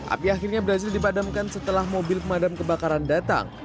api akhirnya berhasil dipadamkan setelah mobil pemadam kebakaran datang